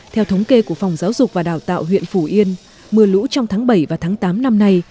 theo thống kê của phòng giáo dục và đào tạo huyện phủ yên mưa lũ trong tháng bảy và tháng tám năm nay